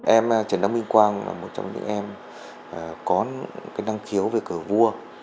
em trần đăng minh quang là một trong những em có năng khiếu về cờ vua